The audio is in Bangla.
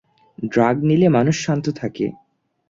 ড্রাগ নিলে মানুষ শান্ত থাকে।